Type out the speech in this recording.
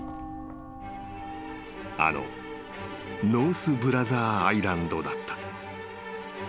［あのノース・ブラザー・アイランドだった］